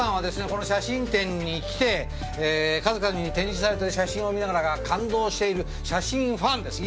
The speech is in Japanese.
この写真展に来て数々に展示されてる写真を見ながら感動している写真ファンです。